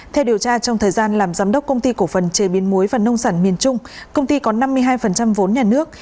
theo điều tra trong thời gian làm giám đốc công ty cổ phần chế biến muối và nông sản miền trung công ty có năm mươi hai vốn nhà nước